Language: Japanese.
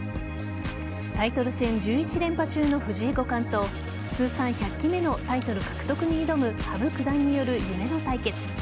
タイトル戦１１連覇中の藤井五冠と通算１００期目のタイトル獲得に挑む羽生九段による夢の対決。